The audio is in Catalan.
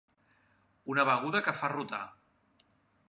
Una beguda que fa rotar.